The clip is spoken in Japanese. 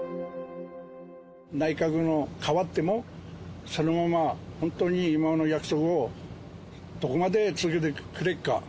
内閣が代わっても、そのまま本当に今の約束をどこまで続けてくれるか。